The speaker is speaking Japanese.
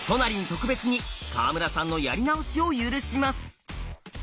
特別に川村さんのやり直しを許します。